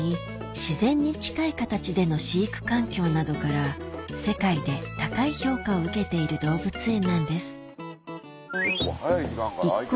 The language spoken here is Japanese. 自然に近い形での飼育環境などから世界で高い評価を受けている動物園なんです